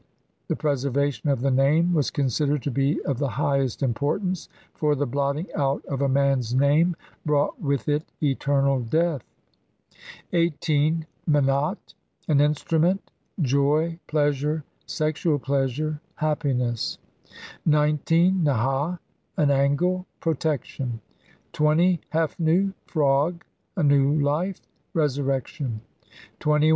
The preservation of the name was considered to be of the highest importance, for the blotting out of a man's name brought with it eternal death. An instrument. Joy, pleasure, sexual pleasure, happiness. An angle. Protection. Frog. New life, resurrection.